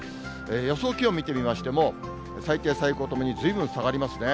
予想気温見てみましても、最低、最高ともにずいぶん下がりますね。